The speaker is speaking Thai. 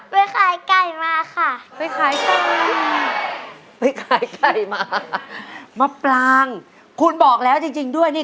ไปขายไก่มาค่ะไปขายไก่มาไปขายไก่มามะปลางคุณบอกแล้วจริงจริงด้วยนี่